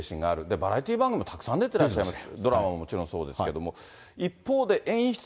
バラエティー番組もたくさん出てらっしゃいます。